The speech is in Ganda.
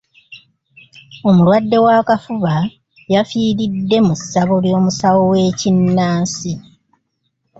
Omulwadde w'akafuba yafiiridde mu ssabo ly'omusawo w'ekinnansi.